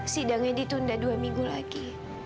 sidangnya ditunda dua minggu lagi